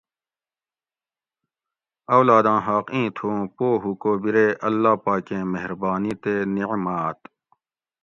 اولاداں حاق ایں تھو اوں پو ہُو کو بِرے اللّہ پاکیں مہربانی تے نعمات